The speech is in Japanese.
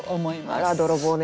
あら泥棒猫。